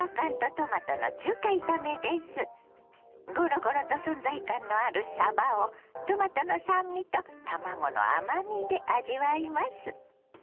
ごろごろと存在感のあるさばをトマトの酸味と卵の甘みで味わいます。